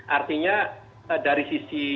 artinya dari sisi